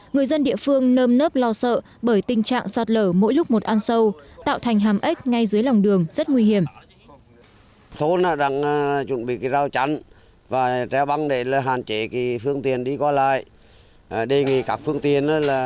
người dân địa phương nơm nớp lo sợ bởi tình trạng sạt lở mỗi lúc một ăn sâu tạo thành hàm ếch ngay dưới lòng đường rất nguy hiểm